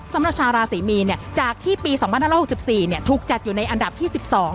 สำหรับชาวราศรีมีนจากที่ปี๒๕๖๔ถูกจัดอยู่ในอันดับที่๑๒